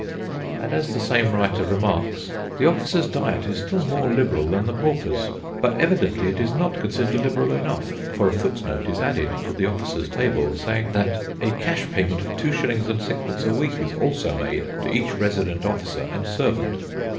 And as the same writer remarks: "The officer's diet is still more liberal than the pauper's; but evidently it is not considered liberal enough, for a footnote is added to the officer's table saying that 'a cash payment of two shillings and sixpence a week is also made to each resident officer and servant.